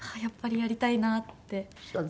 やっぱりやりたいなって。